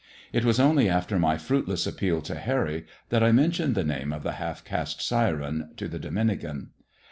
It was only after my fruitless appeal to Harry that I mentioned the name of the half caste siren to the Dominican.